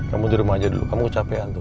kamu duduk aja dulu kamu capean tuh